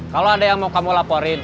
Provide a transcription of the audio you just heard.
kalau ada yang mau kamu laporin